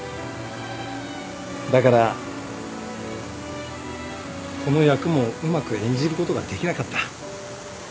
だからこの役もうまく演じることができなかった。